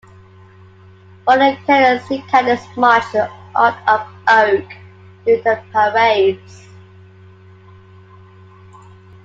Royal Canadian Sea Cadets march to "Heart of Oak" during their parades.